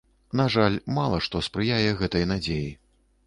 На жаль, мала што спрыяе гэтай надзеі.